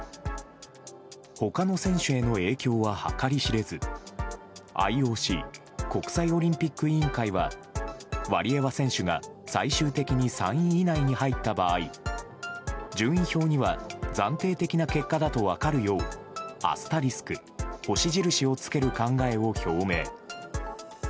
他の選手への影響は計り知れずＩＯＣ・国際オリンピック委員会はワリエワ選手が最終的に３位以内に入った場合順位表には暫定的な結果だと分かるようアスタリスク・星印をつける考えを表明。